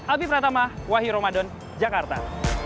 albi pratama wahyu ramadan jakarta